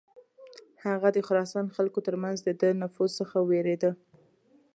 هغه د خراسان خلکو تر منځ د ده نفوذ څخه ویرېده.